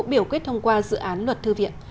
biểu quyết thông qua dự án luật thư viện